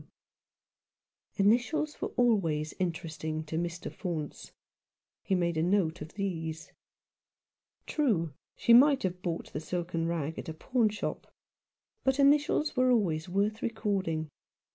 W." Initials were always interesting to Mr. Faunce. He made a note of these. True, she might have bought the silken rag at a pawnshop ; but initials are always worth recording.